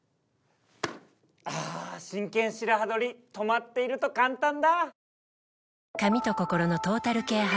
あ真剣白刃取り止まっていると簡単だ。